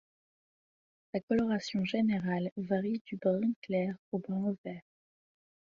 Sa coloration générale varie du brun clair ou brun-vert.